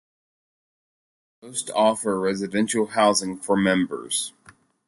Most offer residential housing for members.